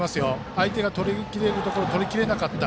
相手が、とりきれるところをとりきれなかった。